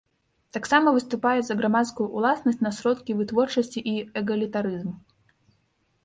Таксама выступаюць за грамадскую ўласнасць на сродкі вытворчасці і эгалітарызм.